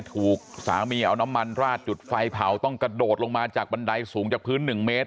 ถูกสามีเอาน้ำมันราดจุดไฟเผาต้องกระโดดลงมาจากบันไดสูงจากพื้น๑เมตร